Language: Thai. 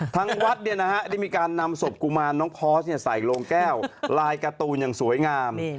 ทั้งวัดเนี่ยนะฮะที่มีการนำศพกุมารน้องพอร์ชเนี่ยใส่โรงแก้วลายการ์ตูนอย่างสวยงาม